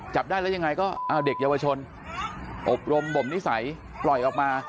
จับได้แล้วยังไงก็เอาเด็กเยาวชนอบรมบ่มนิสัยปล่อยออกมา